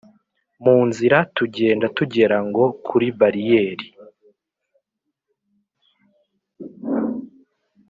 munzira tugenda tugera ngo kuri bariyeri